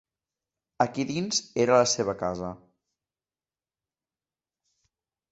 Aquí dins era la seva casa.